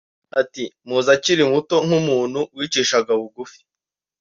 Ati “Muzi akiri muto nk’umuntu wicishaga bugufi